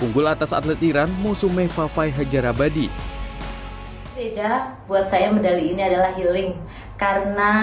unggul atas atlet iran musumeh fafai hajar abadi beda buat saya medali ini adalah healing karena